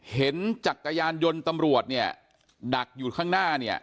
จักรยานยนต์ตำรวจเนี่ยดักอยู่ข้างหน้าเนี่ย